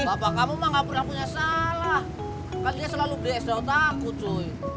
bapak kamu mah gak punya salah kan dia selalu bsdotaku cuy